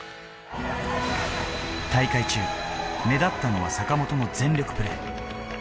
大会中、目立ったのは坂本の全力プレー。